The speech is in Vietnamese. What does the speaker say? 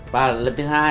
và lần thứ hai